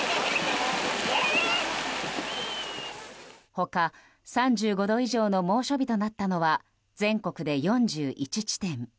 他、３５度以上の猛暑日となったのは全国で４１地点。